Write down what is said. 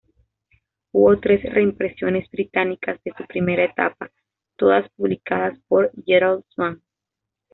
Hubo tres reimpresiones británicas de su primera etapa, todas publicadas por Gerald Swan.